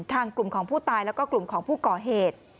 ทางกลุ่มของผู้ตายแล้วก็กลุ่มของผู้ก่อเหตุ